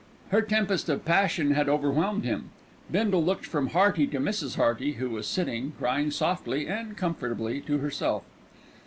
Her tempest of passion had overwhelmed him. Bindle looked from Hearty to Mrs. Hearty, who was sitting crying softly and comfortably to herself.